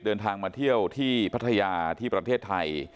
เดินทางมาเที่ยวที่พัทยาที่ประเทศไทย